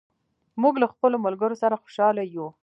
موږ له خپلو ملګرو سره خوشاله یو.